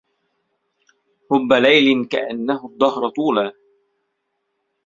رب ليل كأنه الدهر طولا